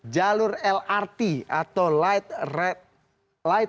jalur lrt atau light rail transit